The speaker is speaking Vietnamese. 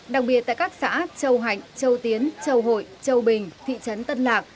đặc biệt tại các xã châu hạnh châu tiến châu hội châu bình thị trấn tân lạc